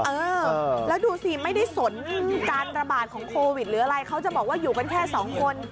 เออแล้วดูสิไม่ได้สนการระบาดของโควิดหรืออะไรเขาจะบอกว่าอยู่กันแค่สองคน